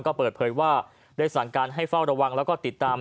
ก็เปิดเผยว่าได้สั่งการให้เฝ้าระวังแล้วก็ติดตาม